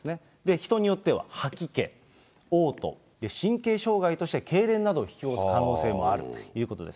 人によっては吐き気、おう吐、神経障害としてけいれんなどを引き起こす可能性もあるということです。